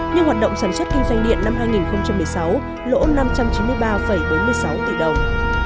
nhưng hoạt động sản xuất kinh doanh điện năm hai nghìn một mươi sáu lỗ năm trăm chín mươi ba bốn mươi sáu tỷ đồng